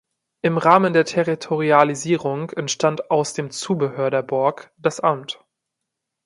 Im Rahmen der Territorialisierung entstand aus dem Zubehör der Burg das Amt.